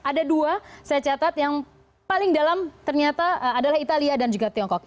ada dua saya catat yang paling dalam ternyata adalah italia dan juga tiongkok